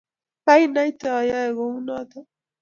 kianaite oyoe kou nito